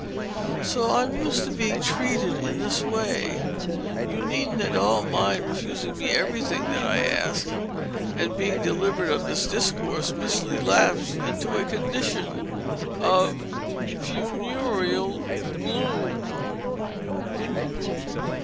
So I'm used to being treated in this way, and you needn't at all mind refusing me everything that I ask." And, being delivered of this discourse, Miss Lee lapsed into a condition of funereal gloom.